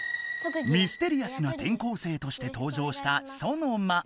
ミステリアスなてん校生としてとう場したソノマ。